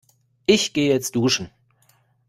Ich geh jetzt duschen.